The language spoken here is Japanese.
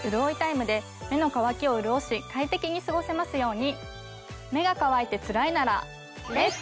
目の乾きをうるおし快適に過ごせますように。